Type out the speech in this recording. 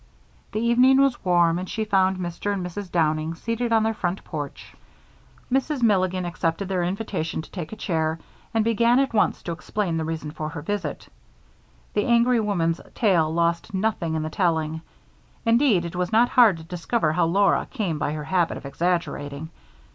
The evening was warm and she found Mr. and Mrs. Downing seated on their front porch. Mrs. Milligan accepted their invitation to take a chair and began at once to explain the reason for her visit. The angry woman's tale lost nothing in the telling; indeed, it was not hard to discover how Laura came by her habit of exaggerating.